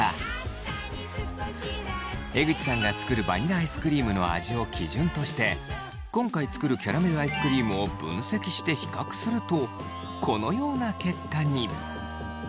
江口さんが作るバニラアイスクリームの味を基準として今回作るキャラメルアイスクリームを分析して比較するとこのような結果に。